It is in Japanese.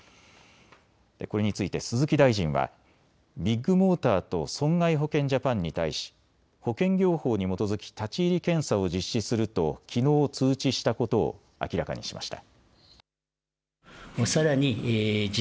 これについて鈴木大臣はビッグモーターと損害保険ジャパンに対し保険業法に基づき立ち入り検査を実施するときのう通知したことを明らかにしました。